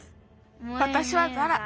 わたしはザラ。